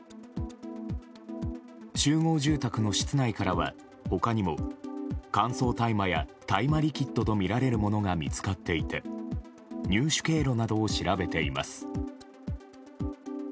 集合住宅の室内からは他にも乾燥大麻や大麻リキッドとみられるものが見つかっていて入手経路などを調べています。